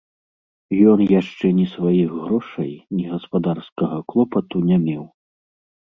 Ён яшчэ ні сваіх грошай, ні гаспадарскага клопату не меў.